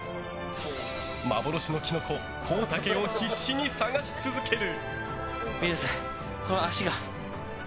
幻のキノコ、コウタケを必死に探し続ける。